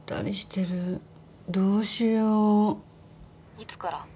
いつから？